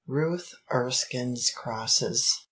Ruth Erskine's Crosses.